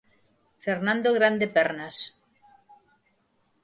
Fernando Grande Pernas.